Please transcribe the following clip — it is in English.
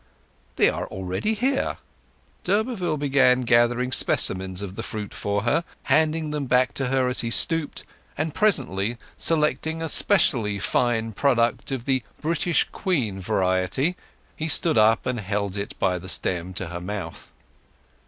"They are already here." D'Urberville began gathering specimens of the fruit for her, handing them back to her as he stooped; and, presently, selecting a specially fine product of the "British Queen" variety, he stood up and held it by the stem to her mouth.